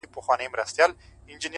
ارزښتمن ژوند له روښانه موخې پیلېږي